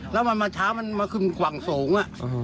แล้วเช้ามันมาขึ้นกว่างสูง